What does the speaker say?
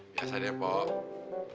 biasa deh pok